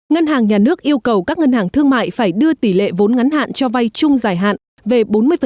ngân hàng nhà nước yêu cầu các ngân hàng thương mại phải đưa tỷ lệ vốn ngắn hạn cho vay chung giải hạn về bốn mươi